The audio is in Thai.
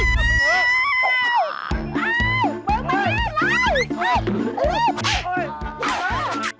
มึงไม่ได้เลย